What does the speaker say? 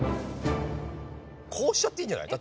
こうしちゃっていいんじゃない？